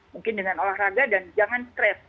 mungkin dengan olahraga dan jangan stres